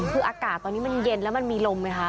คืออากาศตอนนี้มันเย็นแล้วมันมีลมไหมคะ